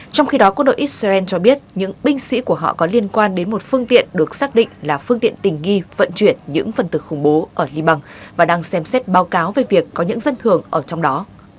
trong khi đó quân đội israel cho biết những binh sĩ của họ có liên quan đến một phương tiện được xác định là phương tiện tình nghi vận chuyển những phần tử khủng bố ở liban và đang xem xét báo cáo về việc có những dân thường ở trong đó